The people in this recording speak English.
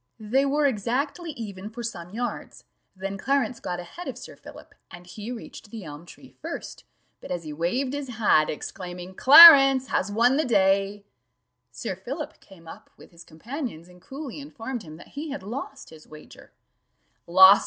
They were exactly even for some yards, then Clarence got ahead of Sir Philip, and he reached the elm tree first; but as he waved his hat, exclaiming, "Clarence has won the day," Sir Philip came up with his companions, and coolly informed him that he had lost his wager "Lost!